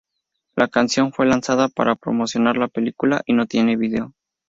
La canción fue lanzada para promocionar la película y no tiene video.